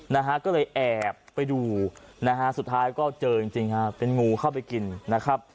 นะฮะก็เลยแอบไปดูนะฮะสุดท้ายก็เจอจริงจริงฮะเป็นงูเข้าไปกินนะครับ